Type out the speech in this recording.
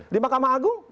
di mahkamah agung